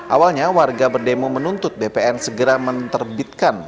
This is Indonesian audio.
awalnya warga berdemo menuntut bpn segera menerbitkan